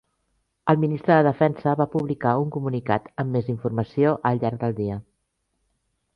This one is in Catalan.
El Ministre de Defensa va publicar un comunicat amb més informació al llarg del dia.